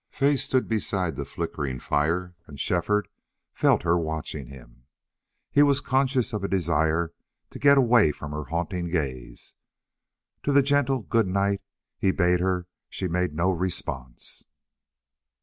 Fay stood beside the flickering fire, and Shefford felt her watching him. He was conscious of a desire to get away from her haunting gaze. To the gentle good night he bade her she made no response.